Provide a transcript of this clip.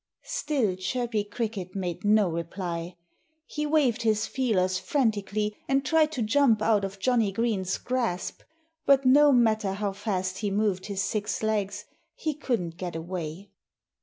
Still Chirpy Cricket made no reply. He waved his feelers frantically and tried to jump out of Johnnie Green's grasp. But no matter how fast he moved his six legs, he couldn't get away.